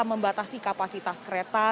membatasi kapasitas kereta